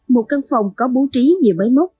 một căn phòng có bố trí nhiều máy móc